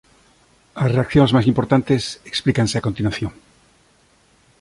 As reaccións máis importantes explícanse a continuación.